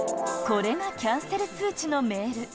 これがキャンセル通知のメール。